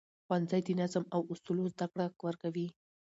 ښوونځی د نظم او اصولو زده کړه ورکوي